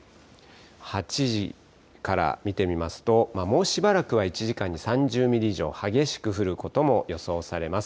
８時から見てみますと、もうしばらくは１時間に３０ミリ以上、激しく降ることも予想されます。